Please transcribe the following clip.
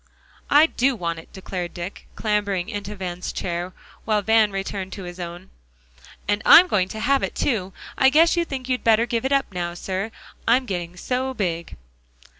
"I do want it," declared Dick, clambering into Van's chair, while Van returned to his own, "and I'm going to have it too. I guess you think you'd better give it up now, sir; I'm getting so big."